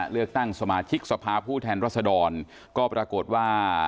เลือกตั้งสมาชิกสภาผู้แทนรัศดรก็ปรากฏว่า